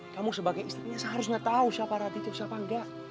kamu sebagai istrinya seharusnya tau siapa raditya siapa enggak